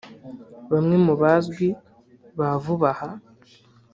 Bamwe mu bazwi ba vuba aha